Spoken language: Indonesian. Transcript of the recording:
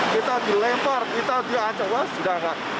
kita dilempar kita diancang wah sudah enggak